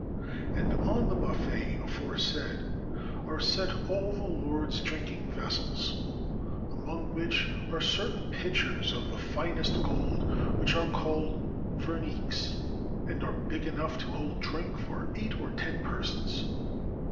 And on the buffet aforesaid are set all the lord's drinking vessels, among which are certain pitchers of the finest gold, which are called verniques, and are big enough to hold drink for eight or ten persons.